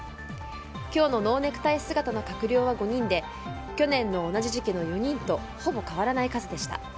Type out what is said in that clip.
今日のノーネクタイ姿の閣僚は５人で去年の同じ時期の４人とほぼ変わらない数でした。